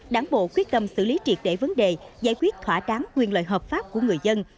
đảng bộ quyết tâm xử lý triệt để vấn đề giải quyết thỏa tráng quyền lợi hợp pháp của người dân